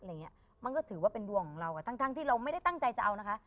มันก็ถือว่าเป็นดวงของเราอ่ะทั้งทั้งที่เราไม่ได้ตั้งใจจะเอานะคะ